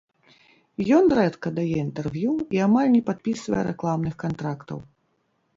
Ён рэдка дае інтэрв'ю і амаль не падпісвае рэкламных кантрактаў.